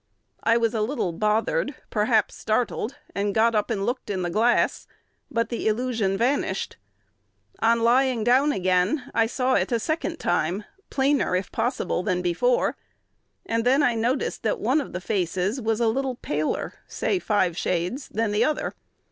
I was a little bothered, perhaps startled, and got up and looked in the glass; but the illusion vanished. On lying down again, I saw it a second time, plainer, if possible, than before; and then I noticed that one of the faces was a little paler say five shades than the other.